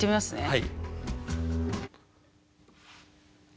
はい。